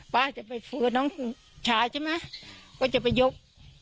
ป้าจะไปฟื้นน้องชายใช่ไหมว่าจะไปยก